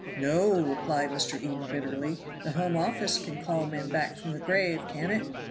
No!" replied Mr. Eden bitterly. "The Home Office can call men back from the grave, can't it?